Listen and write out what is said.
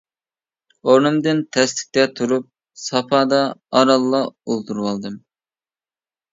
ئورنۇمدىن تەسلىكتە تۇرۇپ سافادا ئارانلا ئولتۇرۇۋالدىم.